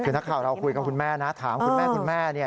คือนักข่าวเราคุยกับคุณแม่นะถามคุณแม่คุณแม่เนี่ย